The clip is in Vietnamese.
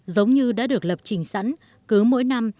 giống như đã được lập trình sẵn cứ mỗi năm